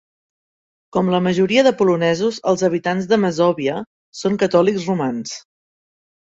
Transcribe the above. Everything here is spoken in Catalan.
Com la majoria de polonesos, els habitants de Mazòvia són catòlics romans.